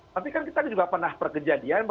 tapi kan kita juga pernah perkejadian